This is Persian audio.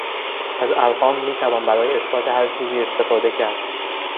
از ارقام میتوان برای اثبات هر چیزی استفاده کرد.